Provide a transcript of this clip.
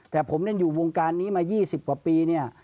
แต่ผมอยู่วงการนี้มา๒๐กว่าปีเนี่ย